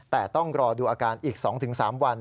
แต่ต้องรอดูอาการอีก๒๓วัน